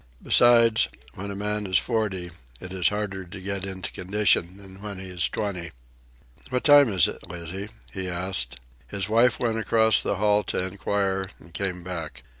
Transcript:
Besides, when a man is forty, it is harder to get into condition than when he is twenty. "What time is it, Lizzie?" he asked. His wife went across the hall to inquire, and came back.